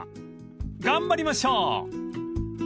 ［頑張りましょう］